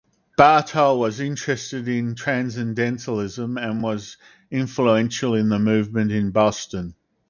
Bartol was interested in Transcendentalism and was influential in the movement in Boston.